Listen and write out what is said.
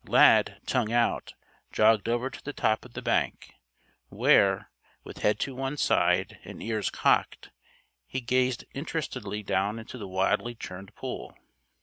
Lad, tongue out, jogged over to the top of the bank, where, with head to one side and ears cocked, he gazed interestedly down into the wildly churned pool.